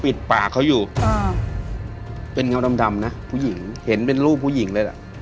ปากเขาอยู่อ่าเป็นเงาดำนะผู้หญิงเห็นเป็นรูปผู้หญิงเลยล่ะ